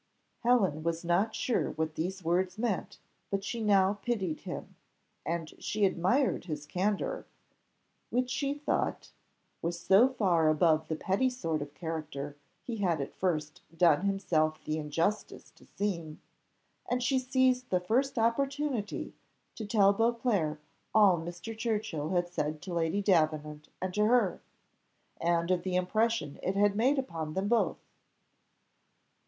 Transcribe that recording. Helen was not sure what these words meant, but she now pitied him, and she admired his candour, which she thought was so far above the petty sort of character he had at first done himself the injustice to seem, and she seized the first opportunity to tell Beauclerc all Mr. Churchill had said to Lady Davenant and to her, and of the impression it had made upon them both.